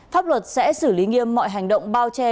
pháp luật sẽ xử lý nghiêm mọi hành động bao che